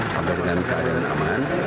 sampai keadaan aman